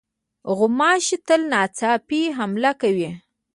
غوماشې تل ناڅاپي حمله کوي.